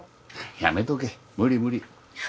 やめとけ無理無理。